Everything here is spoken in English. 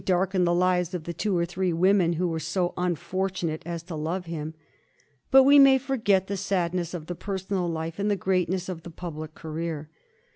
zxxtl darkened the lives of the two or three women who were so unfortunate as to love him. But we may forget the sadness of the personal life in the greatness of the public career.